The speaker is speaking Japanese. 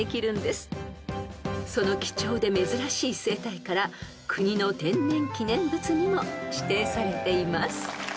［その貴重で珍しい生態から国の天然記念物にも指定されています］